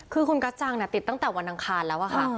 คือคุณกั๊ดจังเนี่ยติดตั้งแต่วันอังคารแล้วค่ะ